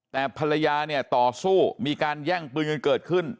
แต่ภรรยาเนี่ยต่อสู้มีการแย่งปืนกันเกิดขึ้น